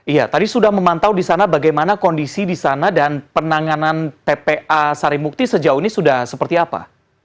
iya tadi sudah memantau di sana bagaimana kondisi di sana dan penanganan tpa sarimukti sejauh ini sudah seperti apa